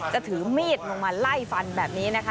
จะถือมีดลงมาไล่ฟันแบบนี้นะคะ